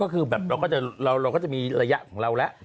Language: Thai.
อ๋อคือแบบเราก็จะเราก็จะมีระยะของเราแหละ